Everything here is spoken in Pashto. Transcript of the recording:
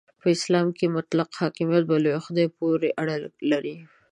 په اسلام کې مطلق حاکمیت په لوی خدای پورې اړه لري.